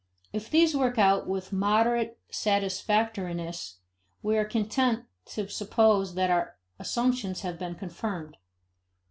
If these work out with moderate satisfactoriness, we are content to suppose that our assumptions have been confirmed.